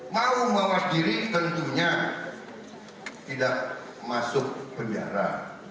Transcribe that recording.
mau mawas diri tentunya tidak masuk penjara